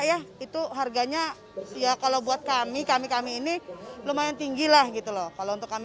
ya itu harganya ya kalau buat kami kami kami ini lumayan tinggi lah gitu loh kalau untuk kami